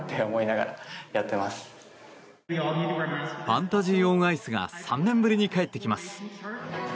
ファンタジー・オン・アイスが３年ぶりに帰ってきます。